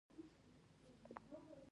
ساینس پوهان په لابراتوار کې کار کوي